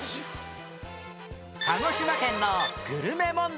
鹿児島県のグルメ問題